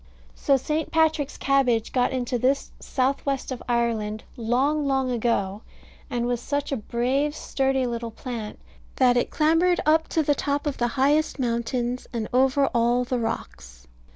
So St. Patrick's cabbage got into this south west of Ireland, long, long ago; and was such a brave sturdy little plant, that it clambered up to the top of the highest mountains, and over all the rocks.